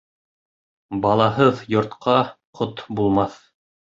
Балаһыҙ йортҡа ҡот булмаҫ.